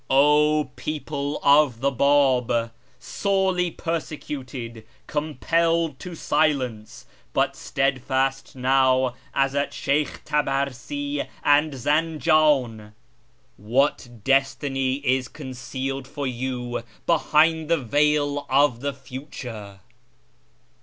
0 people of the Bab ! sorely persecuted, compelled to silence, but stead fast now as at Sheykh Tabarsi and Zanjan, what destiny is concealed for you behind the veil of the Future